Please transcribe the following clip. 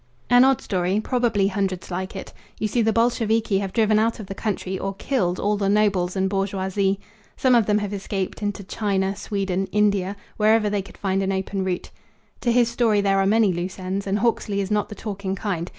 "An odd story; probably hundreds like it. You see, the Bolsheviki have driven out of the country or killed all the nobles and bourgeoisie. Some of them have escaped into China, Sweden, India, wherever they could find an open route. To his story there are many loose ends, and Hawksley is not the talking kind.